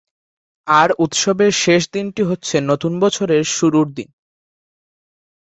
আর উৎসবের শেষ দিনটি হচ্ছে নতুন বছরের শুরুর দিন।